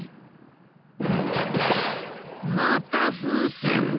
また風船だ！